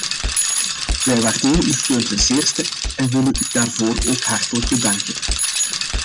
Wij waarderen uw steun ten zeerste en willen u daarvoor ook hartelijk bedanken.